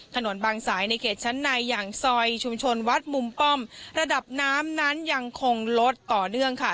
ถนนบางสายในเขตชั้นในอย่างซอยชุมชนวัดมุมป้อมระดับน้ำนั้นยังคงลดต่อเนื่องค่ะ